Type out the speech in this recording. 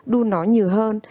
đun nó nhiều hơn